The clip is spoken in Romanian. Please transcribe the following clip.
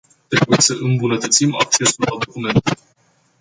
Trebuie să îmbunătățim accesul la documente.